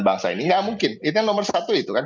bangsa ini nggak mungkin itu yang nomor satu itu kan